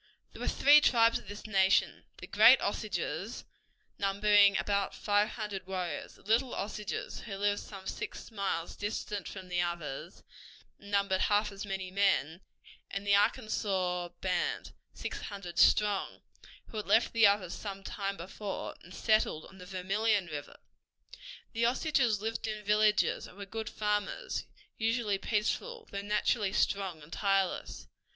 There were three tribes of this nation: the Great Osages, numbering about five hundred warriors; the Little Osages, who lived some six miles distant from the others, and numbered half as many men; and the Arkansas band, six hundred strong, who had left the others some time before, and settled on the Vermillion River. The Osages lived in villages and were good farmers, usually peaceful, although naturally strong and tireless.